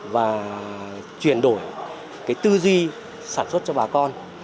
và chuyển đổi cái tư duy sản xuất cho bà con